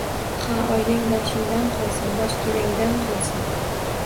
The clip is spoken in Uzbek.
— Ha, oynang boshingdan qolsin, boshginangdan qolsin!